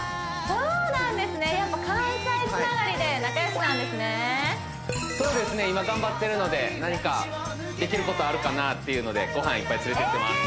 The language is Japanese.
そうですね今頑張ってるので何かできることあるかなっていうのでごはんいっぱい連れてってます